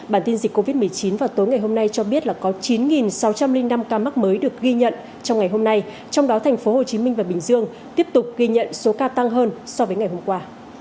bản tin dịch covid một mươi chín vào tối ngày hôm nay cho biết là có chín sáu trăm linh năm ca mắc mới được ghi nhận trong ngày hôm nay trong đó tp hcm và bình dương tiếp tục ghi nhận số ca tăng hơn so với ngày hôm qua